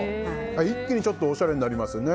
一気にちょっとおしゃれになりますね。